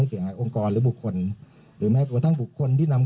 ลองไปฟังจากปากรองผู้ประชาการตำรวจภูทรภาคหนึ่งท่านตอบอย่างไรครับ